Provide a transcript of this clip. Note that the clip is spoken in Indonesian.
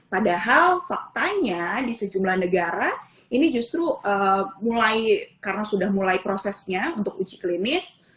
padahal faktanya di sejumlah negara ini justru mulai karena sudah mulai prosesnya untuk uji klinis